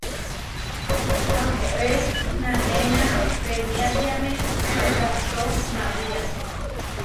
Aapóe nanéna peniátiame wikahtó María.